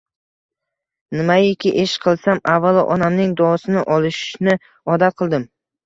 Nimaiki ish qilsam, avvalo, onamning duosini olishni odat qildim